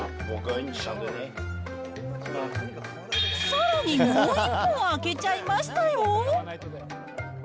さらにもう１本開けちゃいましたよ。